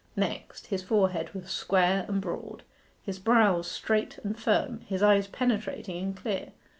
Next, his forehead was square and broad, his brows straight and firm, his eyes penetrating and clear.